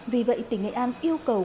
vì vậy tỉnh nghệ an yêu cầu